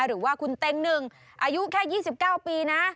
หรือว่าคุณเต็งหนึ่งอายุแค่๒๙ปีนะ